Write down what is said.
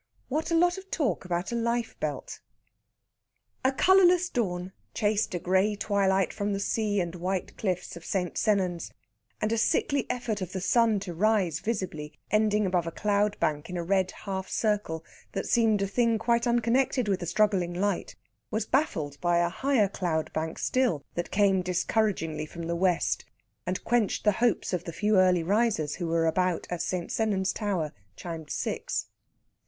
WHAT A LOT OF TALK ABOUT A LIFE BELT! A colourless dawn chased a grey twilight from the sea and white cliffs of St. Sennans, and a sickly effort of the sun to rise visibly, ending above a cloud bank in a red half circle that seemed a thing quite unconnected with the struggling light, was baffled by a higher cloud bank still that came discouragingly from the west, and quenched the hopes of the few early risers who were about as St. Sennans tower chimed six.